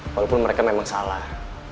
walaupun mereka memang salah